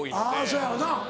そやわな。